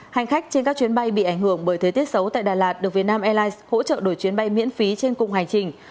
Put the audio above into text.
hành khách trên các chuyến bay bị ảnh hưởng bởi thời tiết xấu tại đà lạt được việt nam airlines hỗ trợ đổi chuyến bay miễn phí trên cùng hành trình